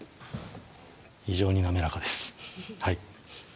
非常に滑らかです